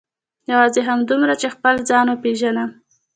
یوازې همدومره چې خپل ځان وپېژنم.